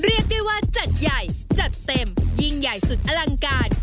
เรียกได้ว่าจัดใหญ่จัดเต็มยิ่งใหญ่สุดอลังการ